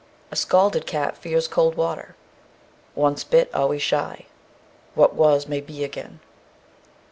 A scalded cat fears cold water. Once bit always shy. What was may be again.